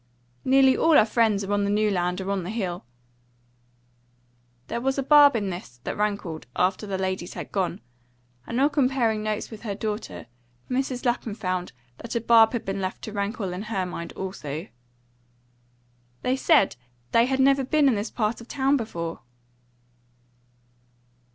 "Nearly all our friends are on the New Land or on the Hill." There was a barb in this that rankled after the ladies had gone; and on comparing notes with her daughter, Mrs. Lapham found that a barb had been left to rankle in her mind also. "They said they had never been in this part of the town before."